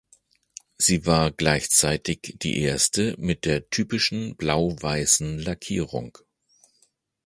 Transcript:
Sie war gleichzeitig die erste mit der typischen blau-weißen Lackierung.